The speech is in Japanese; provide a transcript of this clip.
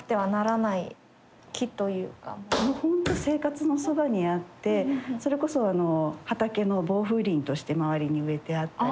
本当生活のそばにあってそれこそ畑の防風林として周りに植えてあったりとか。